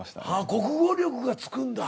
国語力がつくんだ。